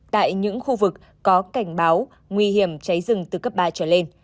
tại những khu vực có cảnh báo nguy hiểm cháy rừng từ cấp ba trở lên